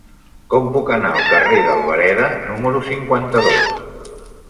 Com puc anar al carrer d'Albareda número cinquanta-dos?